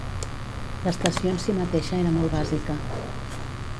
L'estació en sí mateixa era molt bàsica.